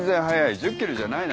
１０ｋｇじゃないな。